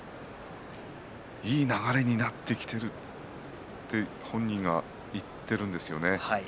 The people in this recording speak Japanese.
いい流れになってきている本人が言っているんですよね。